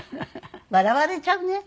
笑われちゃうね。